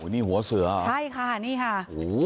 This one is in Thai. นี่หัวเสือเหรออืมโอ้ใช่ค่ะนี่ค่ะ